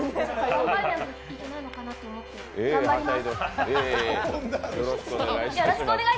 頑張らなきゃいけないのかなと思って頑張ります。